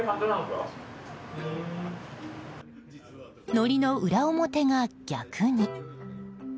のりの裏表が逆に。